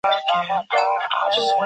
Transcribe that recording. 其子阮文馨为越南国军将领。